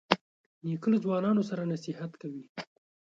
نیکه له ځوانانو سره نصیحت کوي.